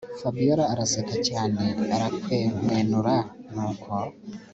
Fabiora araseka cyane arakwenkwenuka nuko